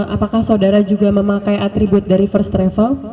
apakah saudara juga memakai atribut dari first travel